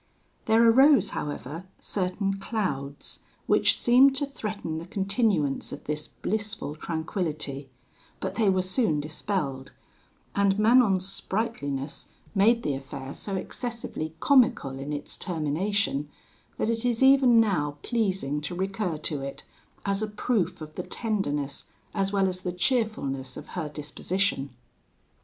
"There arose, however, certain clouds, which seemed to threaten the continuance of this blissful tranquillity, but they were soon dispelled; and Manon's sprightliness made the affair so excessively comical in its termination, that it is even now pleasing to recur to it, as a proof of the tenderness as well as the cheerfulness of her disposition.